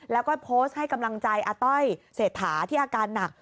แล้วก็โพสต์ให้กำลังใจอาต้อยเศรษฐาที่อาการหนัก